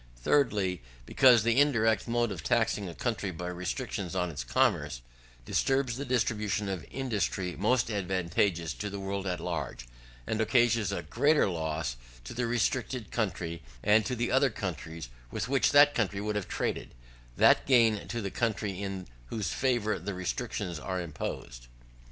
Thirdly, because the indirect mode of taxing a country, by restrictions on its commerce, disturbs the distribution of industry most advantageous to the world at large, and occasions a greater loss to the restricted country, and to the other countries with which that country would have traded, than gain to the country in whose favour the restrictions are imposed.